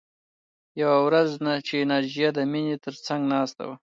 یوه ورځ چې ناجیه د مینې تر څنګ ناسته وه